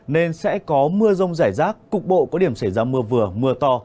nên sẽ có mưa rông rải rác cục bộ có điểm xảy ra mưa vừa mưa to